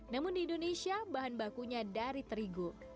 namun di indonesia bahan bakunya dari terigu